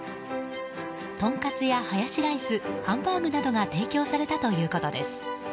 トンカツやハヤシライスハンバーグなどが提供されたということです。